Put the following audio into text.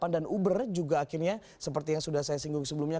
dan uber juga akhirnya seperti yang sudah saya singgung sebelumnya